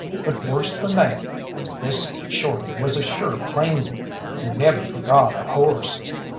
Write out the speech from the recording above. But worse than that, this Shorty was a sure plainsman, who never forgot a horse.